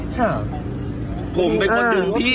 ใช่ครับคนขับเลย